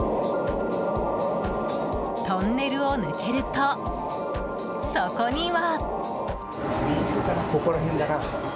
トンネルを抜けると、そこには。